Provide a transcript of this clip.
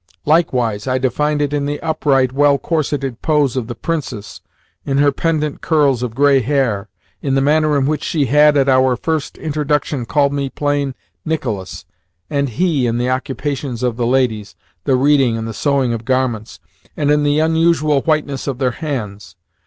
Likewise, I divined it in the upright, well corseted pose of the Princess, in her pendant curls of grey hair, in the manner in which she had, at our first introduction, called me plain "Nicolas" and "he," in the occupations of the ladies (the reading and the sewing of garments), and in the unusual whiteness of their hands.